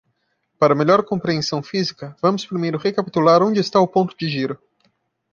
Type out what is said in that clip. Para melhor compreensão física, vamos primeiro recapitular onde está o ponto de giro.